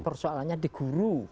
persoalannya di guru